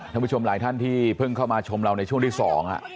ท่านผู้ชมหลายท่านที่เพิ่งเข้ามาชมเราในช่วงที่สอง